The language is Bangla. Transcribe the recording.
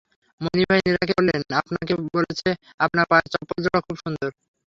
মণি ভাই নীরাকে বললেন, আপনাকে বলছে আপনার পায়ের চপ্পল জোড়া খুব সুন্দর।